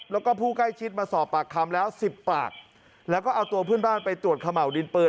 แล้วก็ผู้ใกล้ชิดมาสอบปากคำแล้วสิบปากแล้วก็เอาตัวเพื่อนบ้านไปตรวจเขม่าวดินปืน